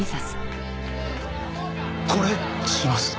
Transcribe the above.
これします。